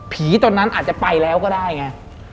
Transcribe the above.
ตอนนั้นอาจจะไปแล้วก็ได้ไง